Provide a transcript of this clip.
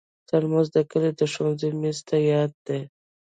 ترموز د کلي د ښوونځي میز ته یاد دی.